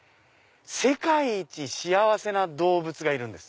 世界一幸せな動物がいるんです。